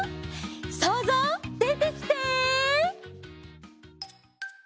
そうぞうでてきて！